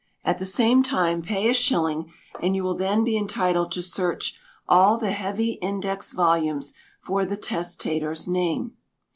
At the same time pay a shilling, and you will then be entitled to search all the heavy Index volumes for the testator's name.